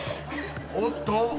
［おっと？